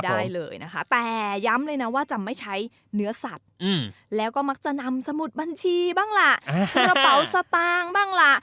แต่ย่ามเลยนะจะไม่ใช้เนื้อสัตว์แล้วก็มักจะนำสมุทรบัญชีบ้างละ